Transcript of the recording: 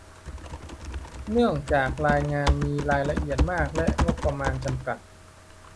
เนื่องจากงานมีรายละเอียดมาก และ งบประมาณจำกัด